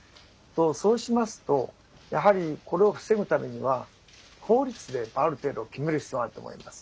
そうしますとやはりこれを防ぐためには法律である程度決める必要があると思います。